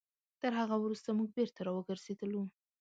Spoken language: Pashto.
تر هغه وروسته موږ بېرته راوګرځېدلو.